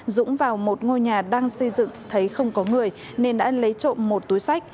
dũng vào một ngôi nhà đang xây dựng thấy không có người nên đã lấy trộm một túi sách